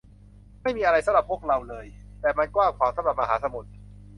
ไม่มีอะไรสำหรับพวกเราเลย แต่มันกว้างขวางสำหรับมหาสมุทร